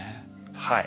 はい。